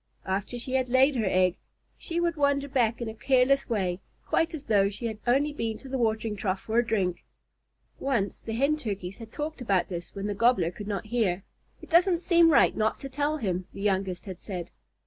After she had laid her egg, she would wander back in a careless way, quite as though she had only been to the watering trough for a drink. Once the Hen Turkeys had talked about this when the Gobbler could not hear. "It doesn't seem right not to tell him," the youngest had said.